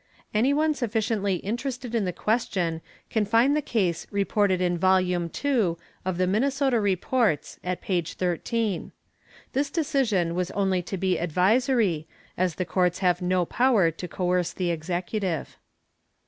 Anyone sufficiently interested in the question can find the case reported in Volume II. of the Minnesota Reports, at page 13. This decision was only to be advisory, as the courts have no power to coerce the executive.